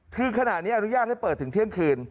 คือขณะนี้อนุญาตให้เปิดถึงเที่ยงคืน